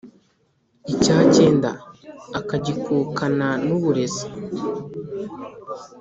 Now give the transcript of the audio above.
icyá cyénda ákagíkukana n úburézi